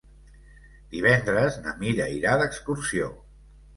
Divendres na Mira irà d'excursió.